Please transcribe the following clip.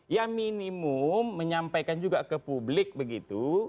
ya minimum menyampaikan juga ke publik begitu